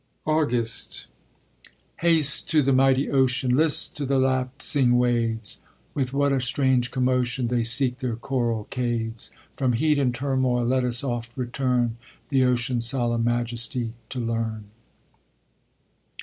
AUGUST Haste to the mighty ocean, List to the lapsing waves; With what a strange commotion They seek their coral caves. From heat and turmoil let us oft return, The ocean's solemn majesty to learn.